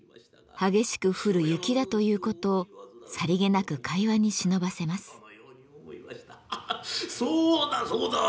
激しく降る雪だということをさりげなく会話にしのばせます。